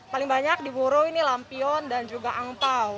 paling banyak diburu ini lampion dan juga angpao